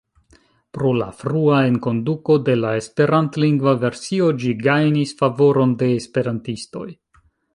Pro la frua enkonduko de la esperantlingva versio ĝi gajnis favoron de esperantistoj.